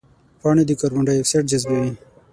پاڼې د کاربن ډای اکساید جذبوي